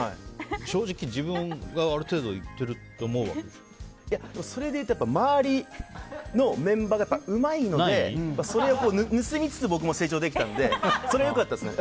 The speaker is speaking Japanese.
正直、自分がある程度いってるってそれでいうと周りのメンバーがうまいので、それを盗みつつ僕も成長できたのでそれは良かったですね。